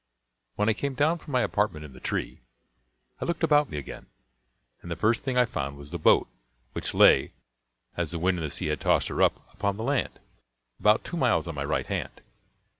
When I came down from my apartment in the tree, I looked about me again, and the first thing I found was the boat, which lay, as the wind and the sea had tossed her up, upon the land, about two miles on my right hand.